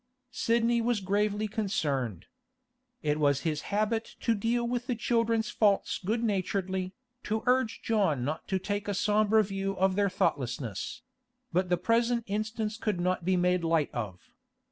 Sidney was gravely concerned. It was his habit to deal with the children's faults good naturedly, to urge John not to take a sombre view of their thoughtlessness; but the present instance could not be made light of.